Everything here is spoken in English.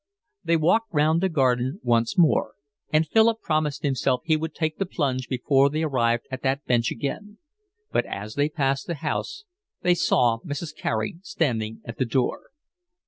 They walked round the garden once more, and Philip promised himself he would take the plunge before they arrived at that bench again; but as they passed the house, they saw Mrs. Carey standing at the door.